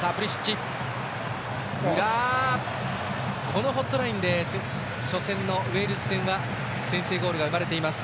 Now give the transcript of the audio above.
このホットラインで初戦のウェールズ戦は先制ゴールが生まれています。